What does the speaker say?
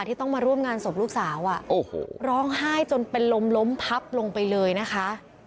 ที่ต้องมาร่วมงานศพลูกสาวร้องไห้จนเป็นลมล้มพับลงไปเลยนะคะ